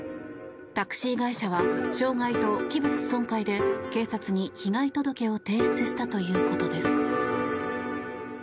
タクシー会社は傷害と器物損壊で警察に被害届を提出したということです。